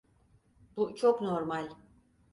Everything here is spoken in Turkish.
Bu çok normal.